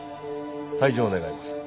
退場願います。